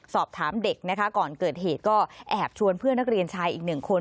สอบถามเด็กนะคะก่อนเกิดเหตุก็แอบชวนเพื่อนนักเรียนชายอีกหนึ่งคน